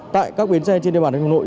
tại các bến xe trên địa bàn hồng nội